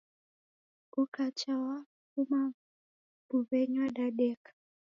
Ukacha wafuma mbuw'enyi wadadeka.